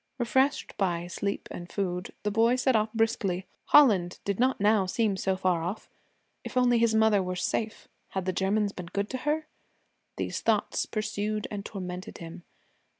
Refreshed by sleep and food, the boy set off briskly. Holland did not now seem so far off. If only his mother were safe! Had the Germans been good to her? These thoughts pursued and tormented him.